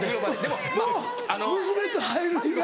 もう娘と入る日が。